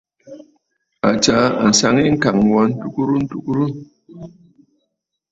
A tsaa àŋsaŋ yî ŋ̀kàŋ wà tùrə̀ tùrə̀.